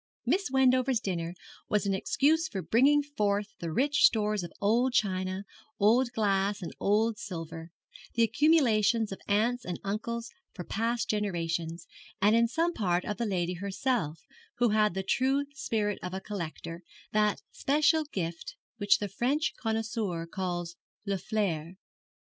Miss Wendover's dinner was an excuse for the bringing forth of rich stores of old china, old glass, and older silver the accumulations of aunts and uncles for past generations, and in some part of the lady herself, who had the true spirit of a collector, that special gift which the French connoisseur calls le flair.